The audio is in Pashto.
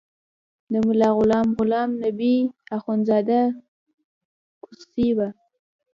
د ملا غلام غلام نبي اخندزاده کوسی و.